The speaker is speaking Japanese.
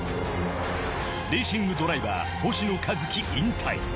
レーシングドライバー星野一樹引退。